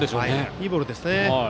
いいボールですよね。